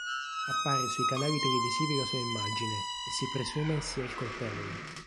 Appare sui canali televisivi la sua immagine e si presume sia il colpevole.